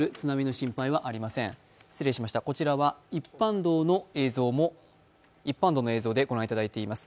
こちらは一般道の映像でご覧いただいています。